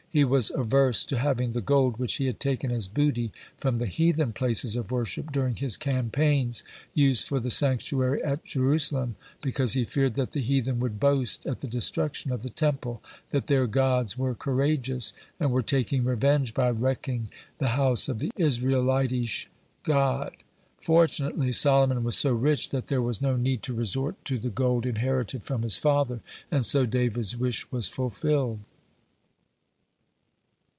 He was averse to having the gold which he had taken as booty from the heathen places of worship during his campaigns used for the sanctuary at Jerusalem, because he feared that the heathen would boast, at the destruction of the Temple, that their gods were courageous, and were taking revenge by wrecking the house of the Israelitish God. Fortunately Solomon was so rich that there was no need to resort to the gold inherited from his father, and so David's wish was fulfilled.